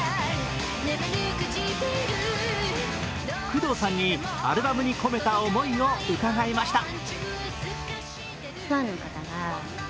工藤さんにアルバムに込めた思いを伺いました。